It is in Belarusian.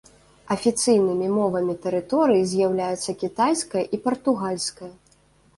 Афіцыйнымі мовамі тэрыторыі з'яўляюцца кітайская і партугальская.